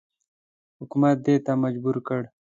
حکومت دې ته مجبور کړ.